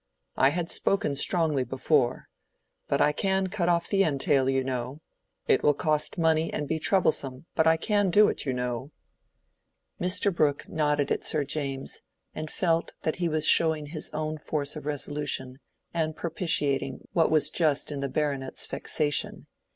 I had spoken strongly before. But I can cut off the entail, you know. It will cost money and be troublesome; but I can do it, you know." Mr. Brooke nodded at Sir James, and felt that he was both showing his own force of resolution and propitiating what was just in the Baronet's vexation.